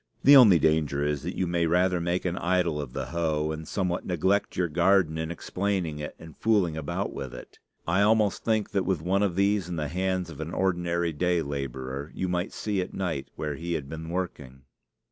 The only danger is, that you may rather make an idol of the hoe, and somewhat neglect your garden in explaining it and fooling about with it. I almost think that, with one of these in the hands of an ordinary day laborer, you might see at night where he had been working.